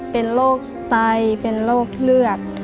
เป็นโรคไตเป็นโรคเลือด